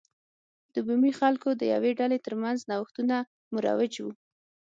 د بومي خلکو د یوې ډلې ترمنځ نوښتونه مروج و.